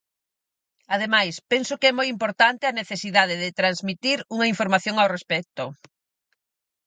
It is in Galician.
Ademais, penso que é moi importante a necesidade de transmitir unha información ao respecto.